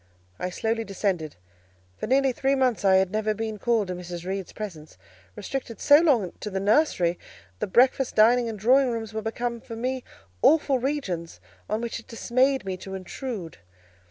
I slowly descended. For nearly three months, I had never been called to Mrs. Reed's presence; restricted so long to the nursery, the breakfast, dining, and drawing rooms were become for me awful regions, on which it dismayed me to intrude.